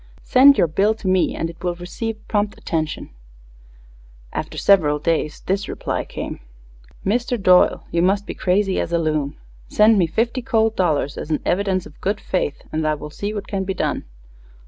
Send your bill to me and it will receive prompt attention_. After several days this reply came: _Mister Doyle you must be crazy as a loon. Send me fifty cold dollars as an evvidence of good fayth and I wull see what can be done.